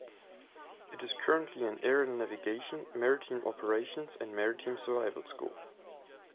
It is currently an aerial navigation, maritime operations and maritime survival school.